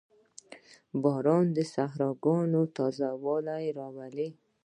• باران د صحراګانو تازهوالی راولي.